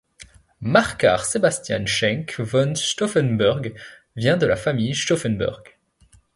Marquard Sebastian Schenk von Stauffenberg vient de la famille Stauffenberg.